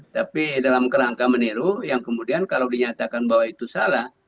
tapi dalam kerangka meniru yang kemudian kalau dinyatakan bahwa itu salah